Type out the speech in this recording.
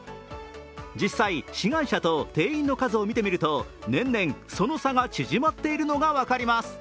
実際志願者と定員の数を見てみると年々、その差が縮まっているのが分かります。